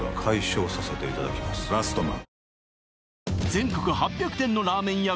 全国８００店のラーメン屋